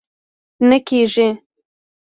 نه کېږي!